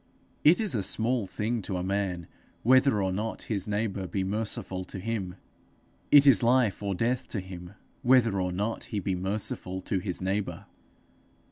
It is a small thing to a man whether or not his neighbour be merciful to him; it is life or death to him whether or not he be merciful to his neighbour.